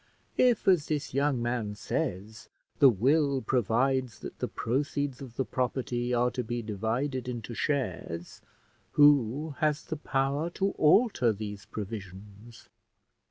If, as this young man says, the will provides that the proceeds of the property are to be divided into shares, who has the power to alter these provisions?"